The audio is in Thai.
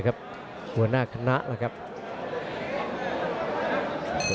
สวัสดิ์นุ่มสตึกชัยโลธสวัสดิ์